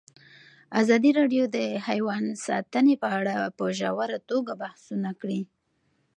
ازادي راډیو د حیوان ساتنه په اړه په ژوره توګه بحثونه کړي.